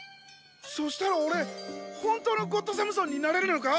そしたらおれホントのゴッドサムソンになれるのか！